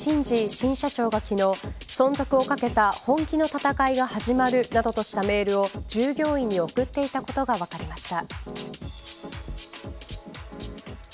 新社長が昨日存続をかけた本気の戦いが始まるなどとしたメールを従業員に送っていたことが分かりました。